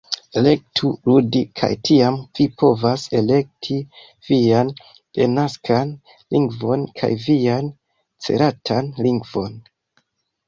Elektu "ludi" kaj tiam vi povas elekti vian denaskan lingvon kaj vian celatan lingvon